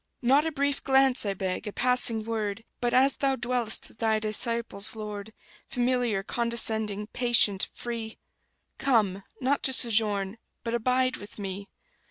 Not a brief glance, I beg, a passing word, But, as Thou dwell'st with Thy disciples, Lord, Familiar, condescending, patient, free, Come, not to sojourn, but abide with me!